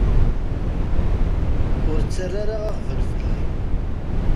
Ur ttara ara aɣbel fell-i.